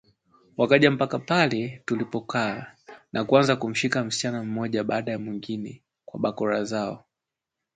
Wakaja mpaka pale tulipokaa na kuanza kumshika msichana mmoja baada ya mwingine kwa bakora zao